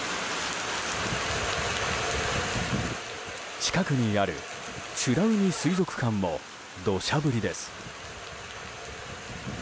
近くにある美ら海水族館も土砂降りです。